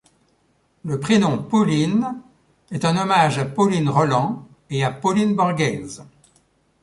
Le prénom Pauline est un hommage à Pauline Roland et à Pauline Borghese.